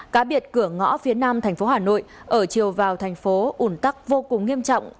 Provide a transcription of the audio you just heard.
cá biệt cửa ngõ phía nam thành phố hà nội ở chiều vào thành phố ủn tắc vô cùng nghiêm trọng